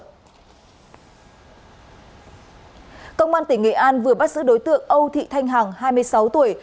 hằng vừa bắt giữ đối tượng âu thị thanh hằng hai mươi sáu tuổi